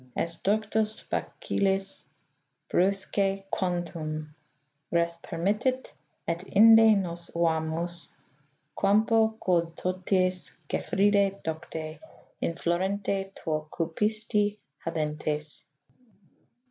Est doctus, facilis, breuisya^ quantum Res permittit, et inde nos ouamus, Campo quod toties Gefride docte In florente tuo cupisti, habentes.